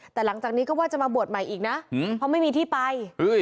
แต่หลังจากนี้ก็ว่าจะมาบวชใหม่อีกนะเพราะไม่มีที่ไป